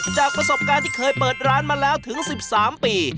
จากประสบการณ์ที่เคยเปิดร้านมาแล้วถึง๑๓ปี